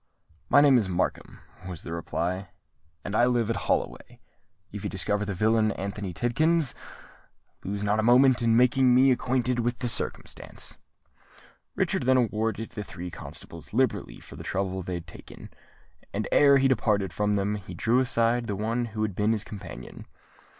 "My name is Markham," was the reply, "and I live at Holloway. If you discover the villain Anthony Tidkins, lose not a moment in making me acquainted with the circumstance." Richard then rewarded the three constables liberally for the trouble they had taken; and ere he departed from them, he drew aside the one who had been his companion.